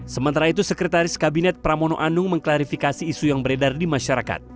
sementara itu sekretaris kabinet pramono anung mengklarifikasi isu yang beredar di masyarakat